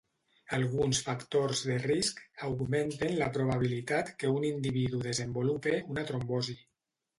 Alguns factors de risc augmenten la probabilitat que un individu desenvolupe una trombosi.